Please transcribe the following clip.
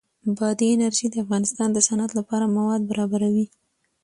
بادي انرژي د افغانستان د صنعت لپاره مواد برابروي.